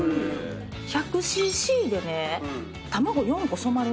１００ｃｃで？